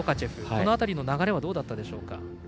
この辺りの流れはどうだったでしょうか。